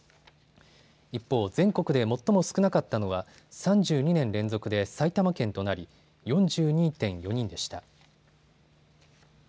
一方、全国で最も少なかったのは３２年連続で埼玉県となり４２．４人でした。